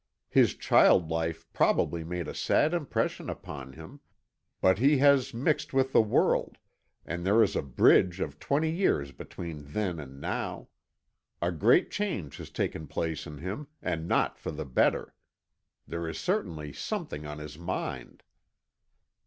His child life probably made a sad impression upon him, but he has mixed with the world, and there is a bridge of twenty years between then and now. A great change has taken place in him, and not for the better. There is certainly something on his mind."